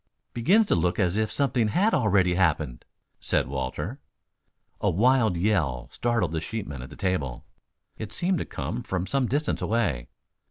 "Begins to look as if something had already happened," said Walter. A wild yell startled the sheepmen at the table. It seemed to come from some distance away.